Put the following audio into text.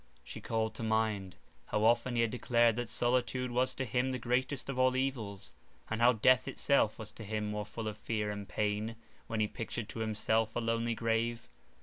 She called to mind how often he had declared that solitude was to him the greatest of all evils, and how death itself was to him more full of fear and pain when he pictured to himself a lonely grave.